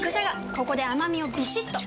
ここで甘みをビシッと！